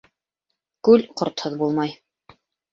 Күл ҡортһоҙ булмай.